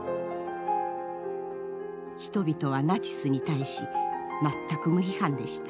「人々はナチスに対し全く無批判でした。